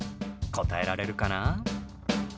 答えられるかな？